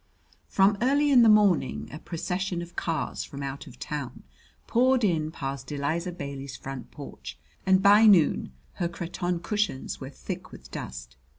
From early in the morning a procession of cars from out of town poured in past Eliza Bailey's front porch, and by noon her cretonne cushions were thick with dust.